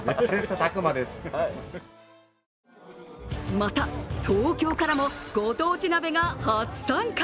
また、東京からもご当地鍋が初参加。